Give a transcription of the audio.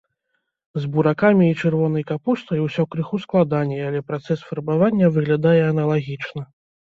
З буракамі і чырвонай капустай усё крыху складаней, але працэс фарбавання выглядае аналагічна.